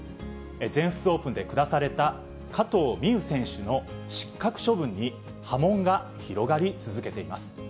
全仏オープンで下された、加藤未唯選手の失格処分に波紋が広がり続けています。